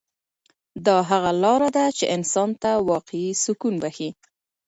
دا هغه لاره ده چې انسان ته واقعي سکون بښي.